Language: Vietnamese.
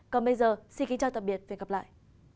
còn bây giờ xin kính chào tạm biệt và hẹn gặp lại